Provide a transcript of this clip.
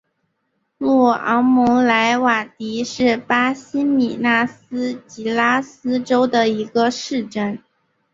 若昂蒙莱瓦迪是巴西米纳斯吉拉斯州的一个市镇。